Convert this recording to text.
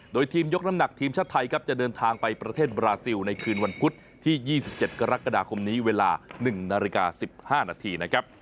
โดยทีมยกน้ำหนักทีมชาติไทยครับจะเดินทางไปประเทศบราซิลในคืนวันพุธที่๒๗กรกฎาคมนี้เวลา๑นาฬิกา๑๕นาทีนะครับ